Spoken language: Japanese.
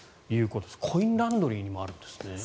コインランドリーにもあるんですね。